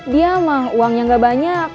dia mah uangnya gak banyak